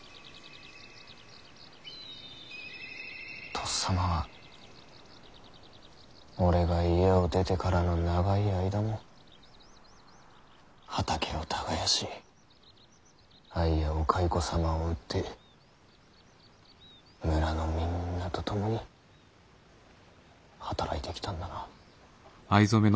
とっさまは俺が家を出てからの長い間も畑を耕し藍やお蚕様を売って村のみんなと共に働いてきたんだな。